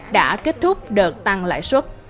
đã kết thúc đợt tăng lại